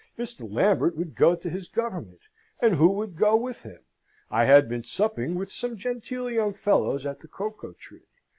Mr. Lambert would go to his government: and who would go with him? I had been supping with some genteel young fellows at the Cocoa Tree.